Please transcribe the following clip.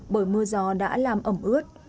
bởi mưa gió đã làm ẩm ướt